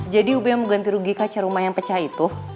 jadi ub mau ganti rugi kaca rumah yang pecah itu